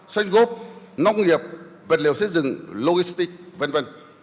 sách góp nông nghiệp vật liệu xây dựng logistic v v